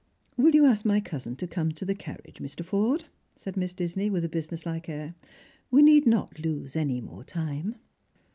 " Will you ask my cousin to come to the carriage, Mr. Forde P " Baid Miss Disney with a business like air; " we need not lose any more time."